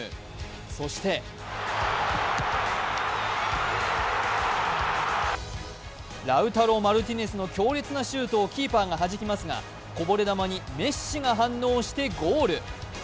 そしてラウタロ・マルティネスの強烈なシュートをキーパーがはじきますがこぼれ球にメッシが反応してゴール。